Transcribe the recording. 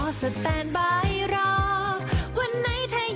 ไม่เชื่อไปฟังกันหน่อยค่ะ